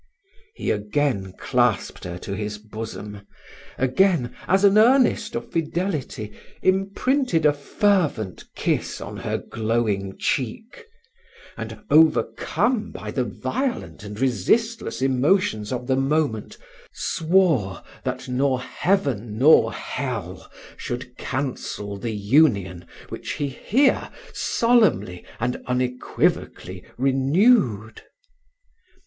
He again clasped her to his bosom again, as an earnest of fidelity, imprinted a fervent kiss on her glowing cheek; and, overcome by the violent and resistless emotions of the moment, swore, that nor heaven nor hell should cancel the union which he here solemnly and unequivocally renewed.